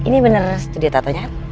ini benar studio tatonya